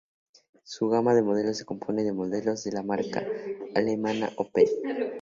Su gama de modelos se compone de modelos de la marca alemana Opel.